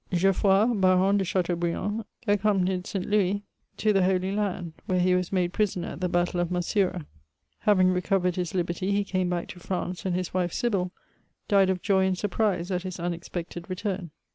Geoffroy, Baron de Chateaubriand, accompanied St. Louis to the Holy Land, where iie was made prisoner at the battle of Masura. Having recovered his liberty, he came back to France, and his wife, Sybille, died of joy and surprise at his unexpected' return.